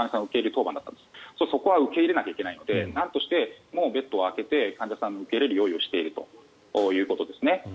そうすると、そこは受け入れないといけないのでなんとしてもベッドを空けて患者さんを受け入れる用意をしているということですね。